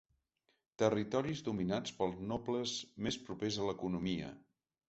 Territoris dominats pels nobles més propers a l'economia.